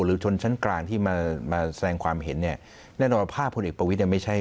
หรือชนชั้นกลางที่มาแสนความเห็นเนี่ยแน่นอนว่าภาพคนเนี่ย